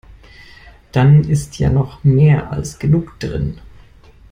Dann ist ja noch mehr als genug drin.